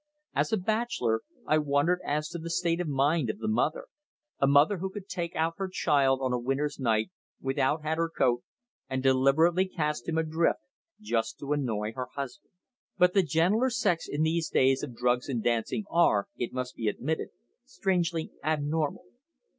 As a bachelor, I wondered as to the state of mind of the mother a mother who could take out her child on a winter's night, without hat or coat, and deliberately cast him adrift just to annoy her husband. But the gentler sex in these days of drugs and dancing are, it must be admitted, strangely abnormal.